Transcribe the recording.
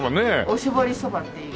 おしぼりそばっていう。